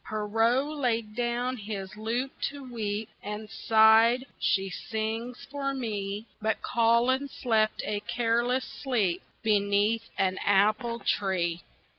Pierrot laid down his lute to weep, And sighed, "She sings for me," But Colin slept a careless sleep Beneath an apple tree.